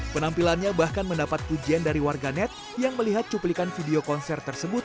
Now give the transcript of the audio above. penampilannya bahkan mendapat pujian dari warganet yang melihat cuplikan video konser tersebut